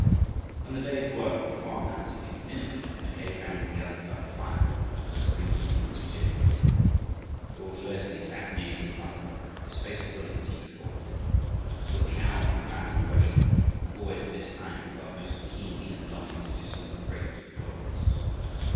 When the day's work of the farmhouse had been finished, the Mackay family gathered about the fire, for the spring evening was chilly. George Leslie sat near his mother, his face full of deep thought. It was the hour for family worship, and always at this time he felt most keenly that longing to do something great and glorious.